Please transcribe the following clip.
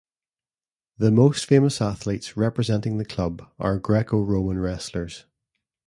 The most famous athletes, representing the club, are Greco-Roman wrestlers.